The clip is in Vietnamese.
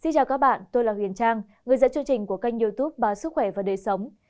xin chào các bạn tôi là huyền trang người dẫn chương trình của kênh youtube sức khỏe và đời sống